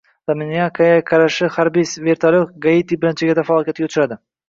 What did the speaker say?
Dominikanaga qarashli harbiy vertolyot Haiti bilan chegarada falokatga uchradi